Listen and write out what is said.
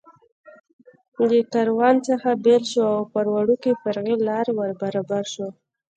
له کاروان څخه بېل شو او پر وړوکې فرعي لار ور برابر شو.